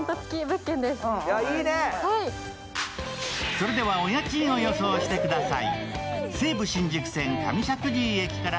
それではお家賃を予想してください。